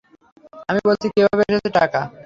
আমি বলছি কিভাবে এসেছে টাকা।